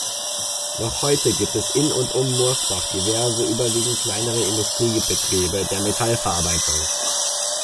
Noch heute gibt es in und um Morsbach diverse überwiegend kleinere Industriebetriebe der Metallverarbeitung.